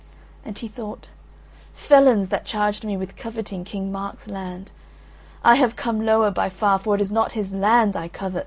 And he thought, "Felons, that charged me with coveting King Mark's land, I have come lower by far, for it is not his land I covet.